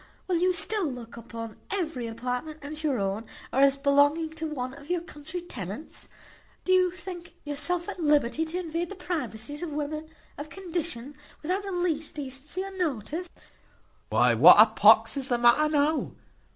Will you still look upon every apartment as your own, or as belonging to one of your country tenants? Do you think yourself at liberty to invade the privacies of women of condition, without the least decency or notice?" "Why, what a pox is the matter now?"